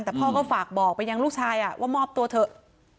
แต่พ่อก็ฝากบอกไปยังลูกชายว่ามอบตัวเถอะ